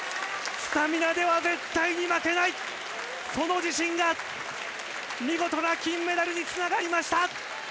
スタミナでは絶対に負けない、その自信が見事な金メダルに繋がりました。